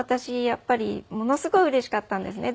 やっぱりものすごいうれしかったんですね。